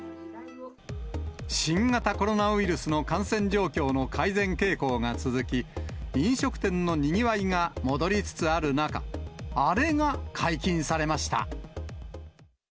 新型コロナウイルスの感染状況の改善傾向が続き、飲食店のにぎわいが戻りつつある中、あれが解禁されました。